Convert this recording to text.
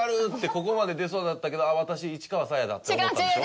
ここまで出そうだったけど「ああ私市川紗椰だ」って思ったんでしょ。